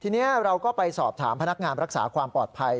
ทีนี้เราก็ไปสอบถามพนักงานรักษาความปลอดภัย